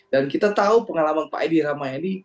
dan kita tahu pengalaman pak edi rahmayadi